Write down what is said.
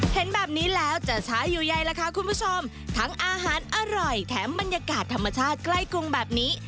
เห็นแบบนี้แล้วจะช้าอยู่ใยล่ะค่ะคุณผู้ชมทั้งอาหารอร่อยแถมบรรยากาศธรรมชาติใกล้กรุงแบบนี้